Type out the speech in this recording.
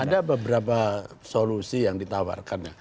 ada beberapa solusi yang ditawarkan